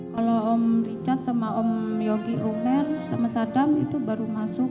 kalau om richard sama om yogi rumer sama sadam itu baru masuk